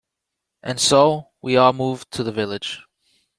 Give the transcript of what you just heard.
And so we all moved to the village.